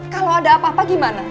kalau ada apa apa gimana